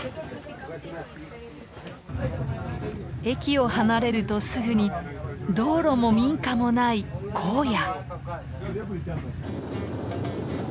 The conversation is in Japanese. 駅を離れるとすぐに道路も民家もない荒野。